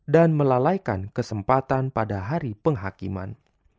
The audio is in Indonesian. dan melalaikan kesempatan pada hari penghakiman